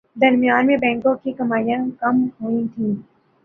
درمیان میں بینکوں کی کمائیاں کم ہوئیں تھیں